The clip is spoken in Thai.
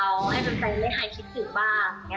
ให้มันไปไม่หายคิดสึกบ้าง